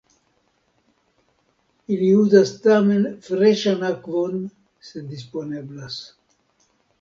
Ili uzas tamen freŝan akvon se disponeblas.